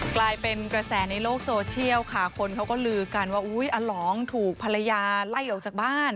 กลายเป็นกระแสในโลกโซเชียลค่ะคนเขาก็ลือกันว่าอุ้ยอาหลองถูกภรรยาไล่ออกจากบ้าน